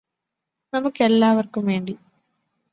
നമുക്കെല്ലാവര്ക്കും വേണ്ടി